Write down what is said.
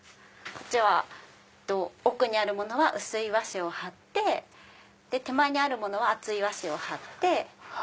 こっちは奥にあるものは薄い和紙を張って手前にあるものは厚い和紙を張って。